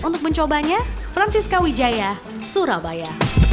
untuk mencobanya francisca wijaya surabaya